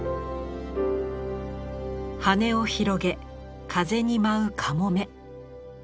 羽を広げ風に舞うカモメ。